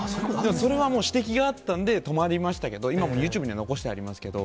それはもう指摘があったんで、止まりましたけど、今もＹｏｕＴｕｂｅには残してありますけど。